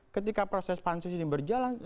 ketika proses pansus ini berjalan